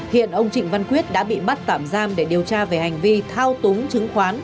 hiện ông trịnh văn quyết đã bị bắt tạm giam để điều tra về hành vi thao túng chứng khoán